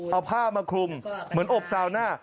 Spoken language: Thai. เอาผ้ามาคลุมเหมือนอบซาวหน้า